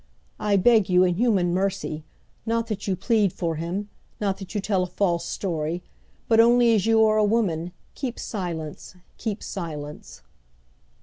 I beg you, in human mercy, not that you plead for him, not that you tell a false story, but only as you are a woman, keep silence, keep silence!"